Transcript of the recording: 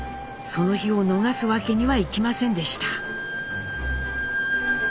その日を逃すわけにはいきませんでした。